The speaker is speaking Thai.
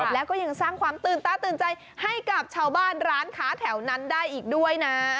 แล้วก็ยังสร้างความตื่นตาตื่นใจให้กับชาวบ้านร้านค้าแถวนั้นได้อีกด้วยนะ